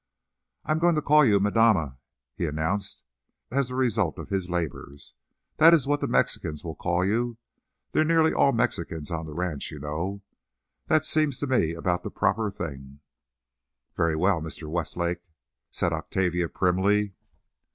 "I'm going to call you madama," he announced as the result of his labours. "That is what the Mexicans will call you—they're nearly all Mexicans on the ranch, you know. That seems to me about the proper thing." "Very well, Mr. Westlake," said Octavia, primly.